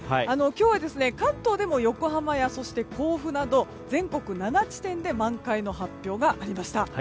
今日は関東でも横浜や甲府など全国７地点で満開の発表がありました。